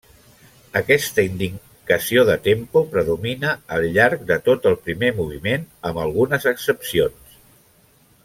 Aquesta indicació de tempo predomina al llarg de tot el primer moviment amb algunes excepcions.